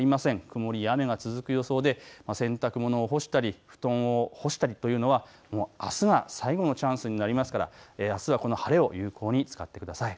曇りや雨が続く予想で洗濯物を干したり布団を干したりというのはあすが最後のチャンスになりますからあすはこの晴れを有効に使ってください。